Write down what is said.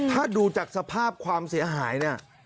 ถ้าดูจากสภาพความเสียหายเนี่ย